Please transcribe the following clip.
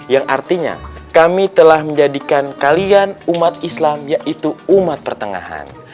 yang artinya kami telah menjadikan kalian umat islam yaitu umat pertengahan